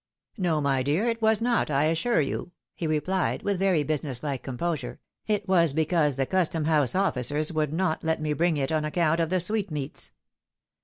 " No, my dear, it was not, I assure you," he replied, with very business like composure ;" it was because the Custom house officers would not let me bring it on account of the sweetmeats."